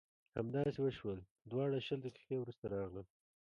همداسې وشول دواړه شل دقیقې وروسته راغلل.